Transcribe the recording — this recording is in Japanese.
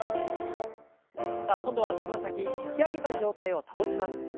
さあ今度はつま先引き上げた状態を保ちます。